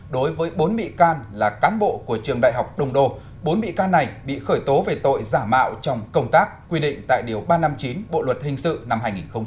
đối với bốn bị can là cán bộ của trường đại học đông đô bốn bị can này bị khởi tố về tội giả mạo trong công tác quy định tại điều ba trăm năm mươi chín bộ luật hình sự năm hai nghìn một mươi năm